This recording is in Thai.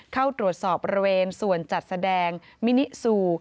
เข้าตรวจสอบบริเวณส่วนจัดแสดงมินิซู